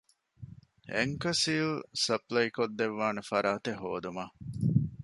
އެންކަރ ސީލް ސަޕްލައިކޮށްދެއްވާނެ ފަރާތެެއް ހޯދުމަށް